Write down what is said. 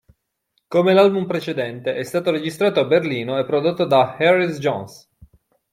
Come l'album precedente è stato registrato a Berlino e prodotto da Harris Johns.